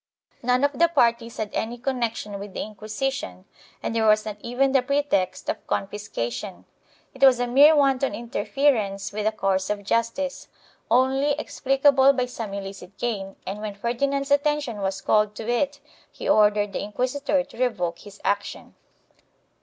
None of the parties had any connection with the Inquisition and there was not even the pretext of confiscation; it was a mere wanton interference with the course of justice, only explicable by some illicit gain, and when Ferdinand's attention was called to it he ordered the inquisitor to revoke his action.